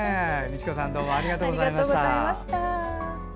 石塚さんどうもありがとうございました。